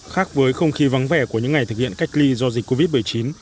khác với không khí vắng vẻ của những ngày thực hiện cách ly do dịch covid một mươi chín